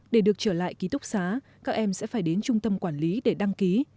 để được trở lại ký túc xá các em sẽ phải đến trung tâm quản lý để đăng ký